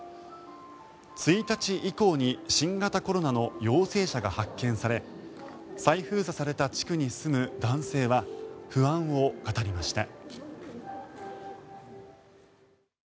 １日以降に新型コロナの陽性者が発見され再封鎖された地区に住む男性は不安を語りました。